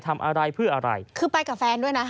พร้อมกับหยิบมือถือขึ้นไปแอบถ่ายเลย